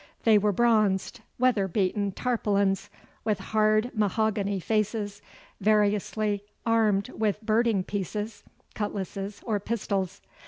They were bronzed, weather beaten tarpaulins, with hard mahogany faces, variously armed with birding pieces, cutlasses, or pistols.